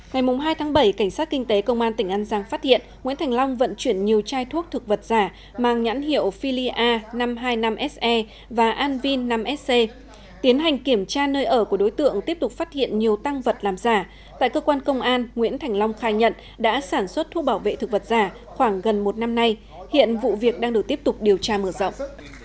ngày hai tháng bảy cảnh sát kinh tế công an tỉnh an giang phát hiện nguyễn thành long vận chuyển nhiều chai thuốc thực vật giả mang nhãn hiệu philia năm trăm hai mươi năm se và anvin năm sc tiến hành kiểm tra nơi ở của đối tượng tiếp tục phát hiện nhiều tăng vật làm giả tại cơ quan công an nguyễn thành long khai nhận đã sản xuất thuốc bảo vệ thực vật giả khoảng gần một năm nay hiện vụ việc đang được tiếp tục điều tra mở rộng